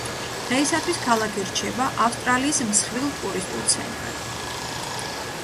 დღეისათვის ქალაქი რჩება ავსტრალიის მსხვილ ტურისტულ ცენტრად.